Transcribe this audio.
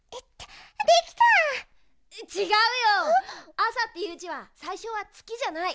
「あさ」っていうじはさいしょは「つき」じゃない。